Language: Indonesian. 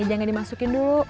jangan dimasukin dulu